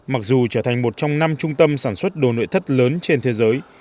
mặc dù trở thành một trong năm trung tâm sản xuất đồ nội thất lớn trên thế giới